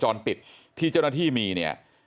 จังหวัดสุราชธานี